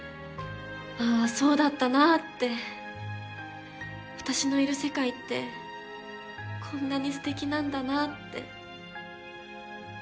あそうだったなぁって。私のいる世界ってこんなにステキなんだなって。